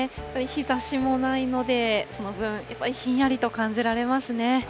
日ざしもないので、その分、やっぱりひんやりと感じられますね。